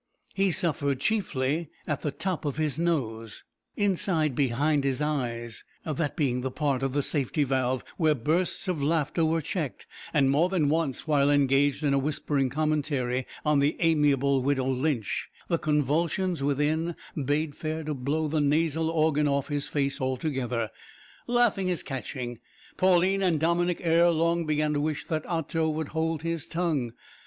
He suffered chiefly at the top of the nose inside behind his eyes that being the part of the safety valve where bursts of laughter were checked; and more than once, while engaged in a whispering commentary on the amiable widow Lynch, the convulsions within bade fair to blow the nasal organ off his face altogether. Laughter is catching. Pauline and Dominick, ere long, began to wish that Otto would hold his tongue.